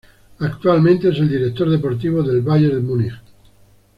Actualmente es el director deportivo del Bayern de Múnich.